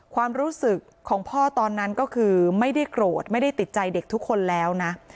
ความรู้สึกของพ่อตอนนั้นก็คือไม่ได้โกรธไม่ได้ติดใจเด็กทุกคนแล้วนะ